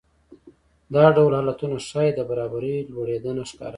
دا ډول حالتونه ښايي د برابرۍ لوړېدنه ښکاره کړي